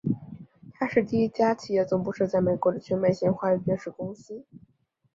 它是第一家企业总部设在美国的全美性华语电视公司。